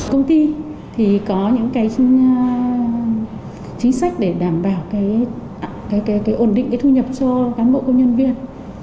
công ty có những chính sách để đảm bảo ổn định thu nhập cho cán bộ công nhân viên